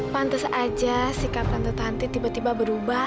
pantes aja sikap tante tiba tiba berubah